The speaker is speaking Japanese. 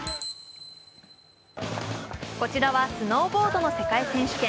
こちらはスノーボードの世界選手権。